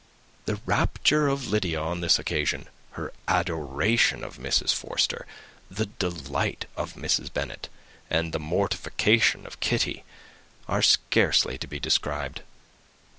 The rapture of Lydia on this occasion, her adoration of Mrs. Forster, the delight of Mrs. Bennet, and the mortification of Kitty, are scarcely to be described.